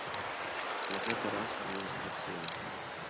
На гэты раз адміністрацыйны.